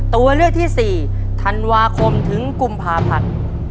ตัวเลือกที่๔ธันวาคมถึงกุมภาพันธ์